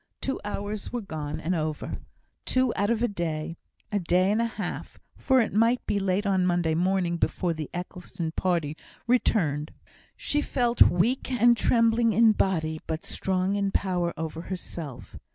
Two hours were gone and over. Two out of a day, a day and a half for it might be late on Monday morning before the Eccleston party returned. She felt weak and trembling in body, but strong in power over herself.